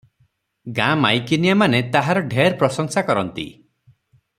ଗାଁ ମାଇକିନିଆମାନେ ତାହାର ଢେର ପ୍ରଶଂସା କରନ୍ତି ।